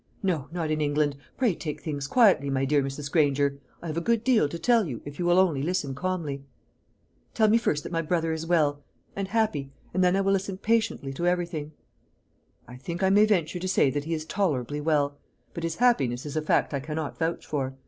"No, not in England. Pray take things quietly, my dear Mrs. Granger. I have a good deal to tell you, if you will only listen calmly." "Tell me first that my brother is well and happy, and then I will listen patiently to everything." "I think I may venture to say that he is tolerably well; but his happiness is a fact I cannot vouch for.